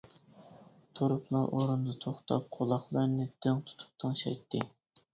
تۇرۇپلا ئورنىدا توختاپ قۇلاقلىرىنى دىڭ تۇتۇپ تىڭشايتتى.